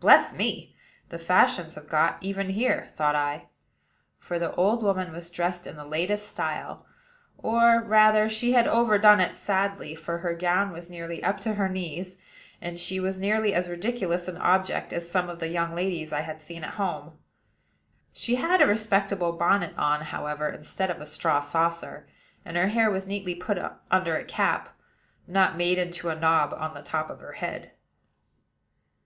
"Bless me! the fashions have got even here," thought I; for the old woman was dressed in the latest style, or, rather, she had overdone it sadly; for her gown was nearly up to her knees, and she was nearly as ridiculous an object as some of the young ladies I had seen at home. She had a respectable bonnet on, however, instead of a straw saucer; and her hair was neatly put under a cap, not made into a knob on the top of her head.